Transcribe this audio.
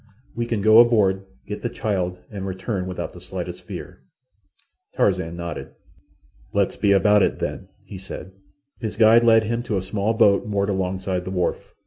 We can go aboard, get the child, and return without the slightest fear." Tarzan nodded. "Let's be about it, then," he said. His guide led him to a small boat moored alongside the wharf.